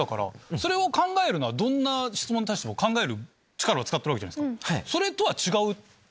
それを考えるのはどんな質問に対しても考える力を使ってるわけじゃないですか。